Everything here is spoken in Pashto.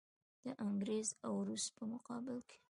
د انګریز او روس په مقابل کې.